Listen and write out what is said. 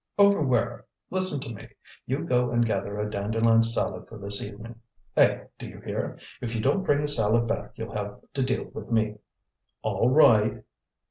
"Over where? Listen to me. You go and gather a dandelion salad for this evening. Eh, do you hear? If you don't bring a salad back you'll have to deal with me." "All right!"